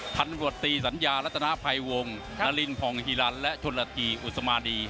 ทันรวดตีสัญญารัฐนาภัยวงศ์นารินภองฮีรันทร์และชนรติอุศมาดี